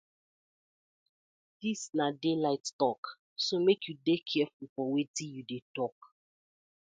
Dis na daylight tok so mek yu dey carfull for wetin yu dey tok.